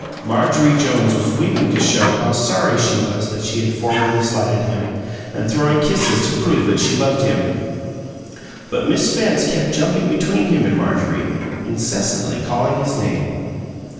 Marjorie Jones was weeping to show how sorry she was that she had formerly slighted him, and throwing kisses to prove that she loved him; but Miss Spence kept jumping between him and Marjorie, incessantly calling his name.